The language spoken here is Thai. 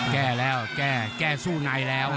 แก้แล้วแก้แก้สู้ในแล้ว